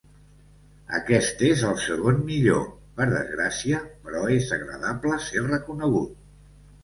Aquest és el segon millor, per desgràcia, però és agradable ser reconegut.